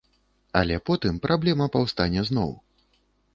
Але потым праблема паўстане зноў.